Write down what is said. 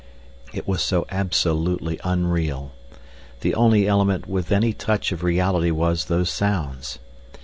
It was so absolutely unreal. The only element with any touch of reality was these sounds.